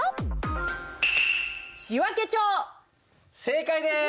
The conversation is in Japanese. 正解です！